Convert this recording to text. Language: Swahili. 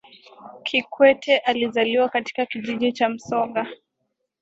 kikwete alizaliwa katika kijiji cha msoga